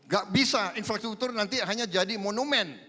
gak bisa infrastruktur nanti hanya jadi monumen